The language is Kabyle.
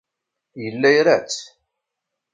Yella ira-tt.